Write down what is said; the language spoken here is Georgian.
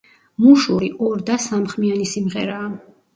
მუშური ორ და სამხმიანი სიმღერაა.